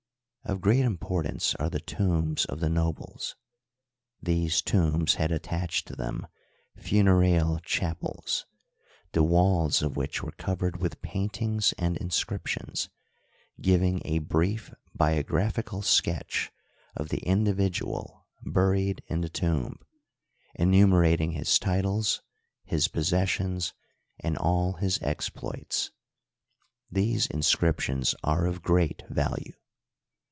Of great im portance are the tombs of the nobles. These tombs had attached to them funereal chapels, the walls of which were covered with paintings and inscriptions, giving a brief biographical sketch of the individual buried in the tomb, enumerating his titles, his possessions, and all his Digitized byCjOOQlC l8 HISTORY OF EGYPT, exploits. These inscriptions are of great value.